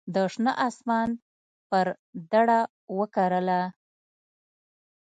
د شنه اسمان پر دړه وکرله